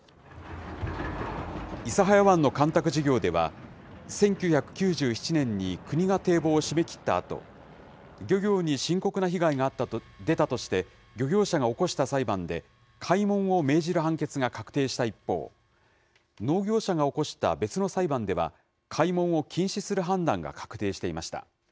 諫早湾の干拓事業では、１９９７年に国が堤防を閉めきったあと、漁業に深刻な被害が出たとして、漁業者が起こした裁判で、開門を命じる判決が確定した一方、農業者が起こした別の裁判では、開門を禁止する判断が確定していました。